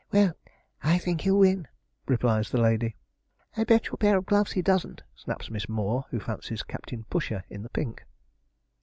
'Well, I think he'll win,' replies the lady. 'I'll bet you a pair of gloves he doesn't,' snaps Miss Moore, who fancies Captain Pusher, in the pink.